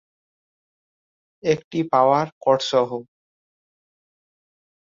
একটি পাওয়ার কর্ডসহ।